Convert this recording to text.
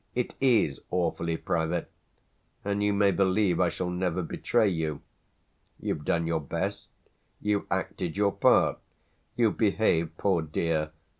It is awfully private, and you may believe I shall never betray you. You've done your best, you've acted your part, you've behaved, poor dear!